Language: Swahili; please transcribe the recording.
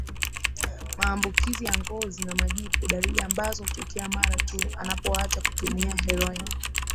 Maambukizi ya ngozi na majipu Dalili ambazo hutokea mara tu unapoacha kutumia heroin